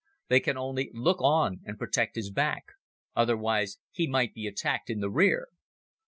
They can only look on and protect his back. Otherwise, he might be attacked in the rear.